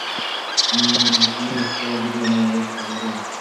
مور یې خپله لور له ناروغۍ څخه ژغورله.